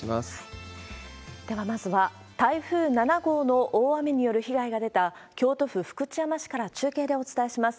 ではまずは、台風７号の大雨による被害が出た、京都府福知山市から中継でお伝えします。